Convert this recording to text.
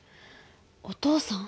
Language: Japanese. お父さん？